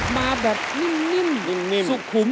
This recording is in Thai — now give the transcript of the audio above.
มาแบบนิ่ม